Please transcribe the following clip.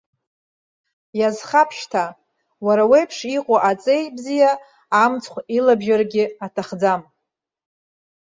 Иазхап шьҭа, уара уеиԥш иҟоу аҵеи бзиа амцхә илабжьарагьы аҭахӡам.